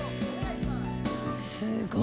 すごい！